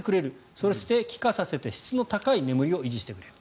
そして、気化させて質の高い眠りを維持してくれる。